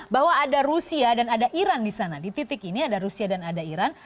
bahwa ada rusia dan ada iran di sana di titik ini ada rusia dan ada iran